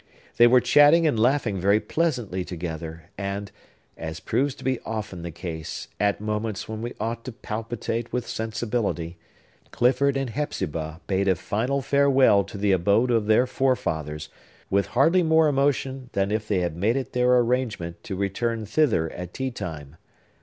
They were chatting and laughing very pleasantly together; and—as proves to be often the case, at moments when we ought to palpitate with sensibility—Clifford and Hepzibah bade a final farewell to the abode of their forefathers, with hardly more emotion than if they had made it their arrangement to return thither at tea time.